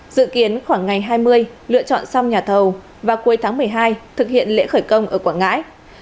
dự kiến khoảng ngày hai mươi lựa chọn xong nhà thầu và cuối tháng một mươi hai thực hiện lễ khởi công ở quảng ngãi